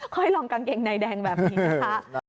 ค่อยลองกางเกงในแดงแบบนี้นะคะ